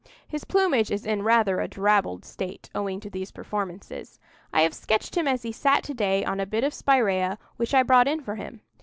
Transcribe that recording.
His plumage is in rather a drabbled state, owing to these performances. I have sketched him as he sat to day on a bit of Spiræa which I brought in for him.